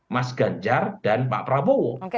mas ganjar dan pak prabowo